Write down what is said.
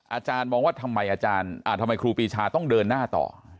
อาจารย์มองว่าทำไมครูปีชาต้องเดินหน้าต่อ